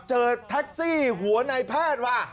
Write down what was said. เจอแท็กซี่หัวในแพทย์ว่ะ